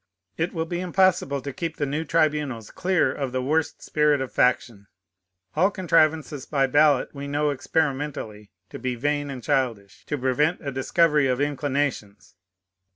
It will be impossible to keep the new tribunals clear of the worst spirit of faction. All contrivances by ballot we know experimentally to be vain and childish to prevent a discovery of inclinations.